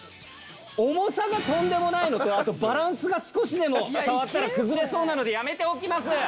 重さがとんでもないのとあとバランスが少しでも触ったら崩れそうなのでやめておきます。